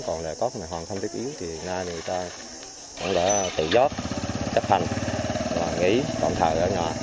còn có thể hoàn thiết yếu người ta cũng đã tự gióp chấp hành nghỉ tổng thờ ở nhà